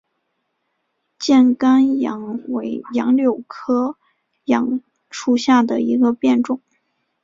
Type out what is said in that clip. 箭杆杨为杨柳科杨属下的一个变种。